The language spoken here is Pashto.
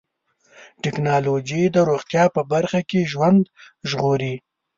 ټکنالوجي د روغتیا په برخه کې ژوند ژغوري.